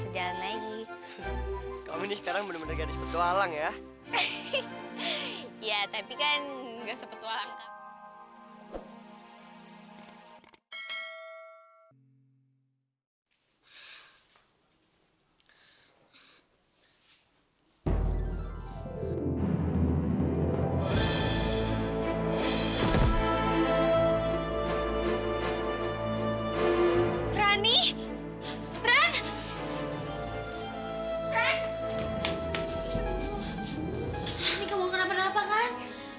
rani kamu kenapa kenapa kan